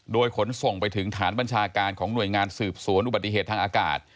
โดยขนส่งไปถึงฐานบัญชาการของหน่วยงานสืบสวนอุบัติเหตุทางอากาศ